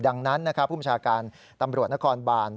ดังนั้นนะคะผู้ประชาการตำรวจณคอนบาน